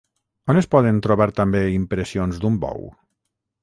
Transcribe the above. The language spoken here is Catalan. On es poden trobar també impressions d'un bou?